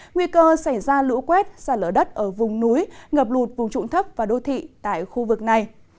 nguy cơ xảy ra lũ quét xa lở đất ở vùng núi ngập lụt vùng trụng thấp và đô thị tại khu vực này